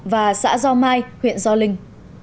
và xã do mai huyện do linh